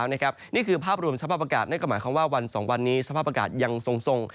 นี่คือภาพรวมสภาพอากาศนั่นก็หมายความว่าวัน๒วันนี้สภาพอากาศยังทรง